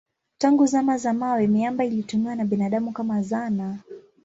Tangu zama za mawe miamba ilitumiwa na binadamu kama zana.